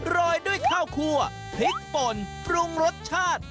รอยด้วยข้าวคั่วพริกป่นปรุงรสชาติ